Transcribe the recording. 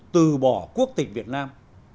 từ bỏ quốc tỉnh việt nam